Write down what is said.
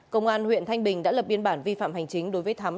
công an huyện thanh bình đã lập biên bản vi phạm hành chính đối với thắm